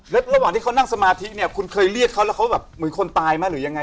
แล้วระหว่างที่เขานั่งสมาธิเนี่ยคุณเคยเรียกเขาแล้วเขาแบบเหมือนคนตายไหมหรือยังไง